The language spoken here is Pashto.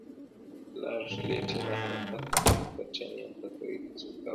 لارډ لیټن دا حرکت برټانیې امپراطوري ته سپکاوی وباله.